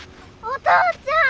お母ちゃん！